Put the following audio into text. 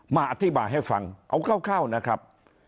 มาอธิบายให้ฟังเอาคร่าวนะครับ